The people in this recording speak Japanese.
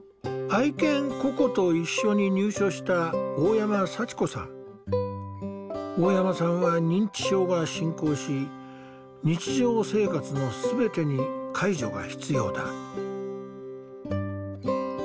愛犬ココと一緒に入所した大山さんは認知症が進行し日常生活の全てに介助が必要だ。